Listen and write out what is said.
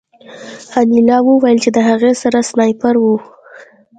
انیلا وویل چې د هغه سره سنایپر و